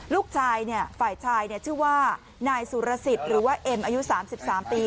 ลูกชายฝ่ายชายชื่อว่านายสุรสิทธิ์หรือว่าเอ็มอายุ๓๓ปี